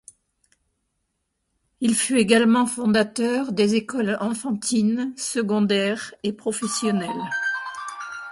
Il fut également fondateur des écoles enfantine, secondaire et professionnelle.